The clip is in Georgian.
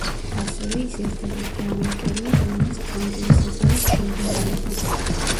ასევე ის ერთადერთი ამერიკელია, რომელმაც ფრანგული სეზარის ჯილდო მიიღო.